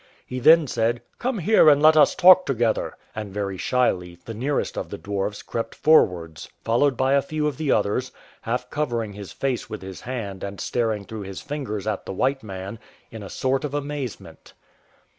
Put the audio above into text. He then said, " Come here and let us talk together"; and, very shyly, the nearest of the dwarfs crept forwards, followed by a few of the others, half covering his face with his hand and staring through his fingers at the white man in a sort of amaze ment.